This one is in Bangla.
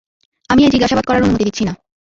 আমি এই জিজ্ঞাসাবাদ করার অনুমতি দিচ্ছি না!